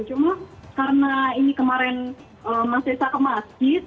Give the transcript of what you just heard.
cuma karena ini kemarin mas desa ke masjid